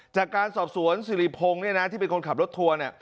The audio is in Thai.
จากการสอบสวนสิริพงศ์ที่เป็นคนขับรถทัวร์